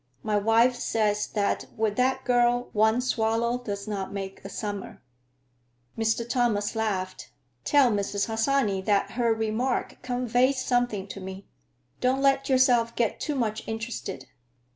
My wife says that with that girl one swallow does not make a summer." Mr. Thomas laughed. "Tell Mrs. Harsanyi that her remark conveys something to me. Don't let yourself get too much interested.